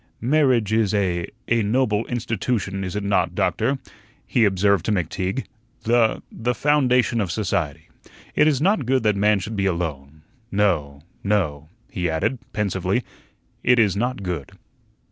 "Marriage is a a noble institution, is it not, Doctor?" he observed to McTeague. "The the foundation of society. It is not good that man should be alone. No, no," he added, pensively, "it is not good."